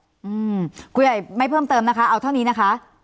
อืมครูใหญ่ไม่เพิ่มเติมนะคะเอาเท่านี้นะคะ